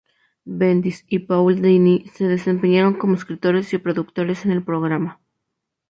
Bendis y Paul Dini se desempeñaron como escritores y productores en el programa.